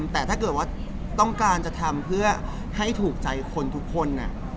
แต่ถ้าเกิดว่าต้องการจะทำเพื่อให้ถูกใจคนทุกคน